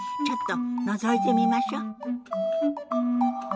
ちょっとのぞいてみましょ。